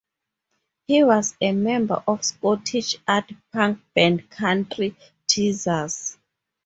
He was a member of Scottish art punk band Country Teasers.